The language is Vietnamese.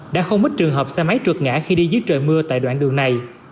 đã không ít trường hợp xe máy trượt ngã khi đi dưới trời mưa tại đoạn đường này